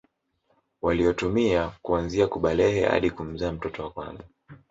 Waliotumia kuanzia kubalehe hadi kumzaa mtoto wa kwanza